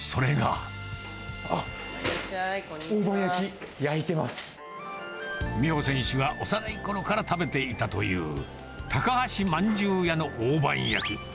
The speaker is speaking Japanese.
あっ、美帆選手が幼いころから食べていたという、たかはしまんじゅう屋の大判焼き。